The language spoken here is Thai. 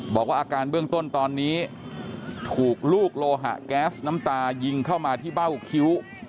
บอกว่าอาการเบื้องต้นตอนนี้ถูกลูกโลหะแก๊สน้ำตายิงเข้ามาที่เบ้าคิ้ว